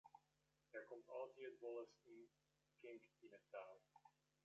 Der komt altyd wolris in kink yn 't tou.